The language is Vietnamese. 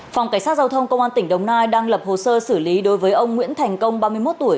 phòng cảnh sát giao thông công an tỉnh đồng nai đang lập hồ sơ xử lý đối với ông nguyễn thành công ba mươi một tuổi